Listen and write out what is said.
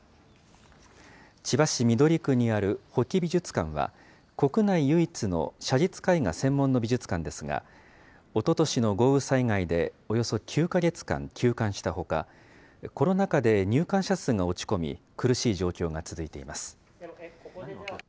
千葉市緑区にあるホキ美術館は、国内唯一の写実絵画専門の美術館ですが、おととしの豪雨災害でおよそ９か月間休館したほか、コロナ禍で入館者数が落ち込み、苦しい状況が続いています。